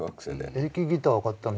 エレキギターを買ったのいつ？